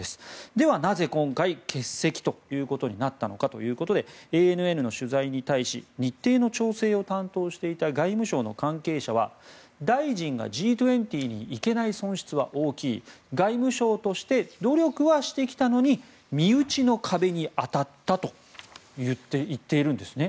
では、なぜ今回欠席となったのかということでＡＮＮの取材に対し日程の調整を担当していた外務省の関係者は、大臣がＧ２０に行けない損失は大きい外務省として努力はしてきたのに身内の壁に当たったと言っているんですね。